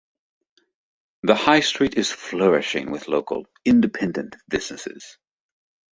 The high street is flourishing with local, independent businesses.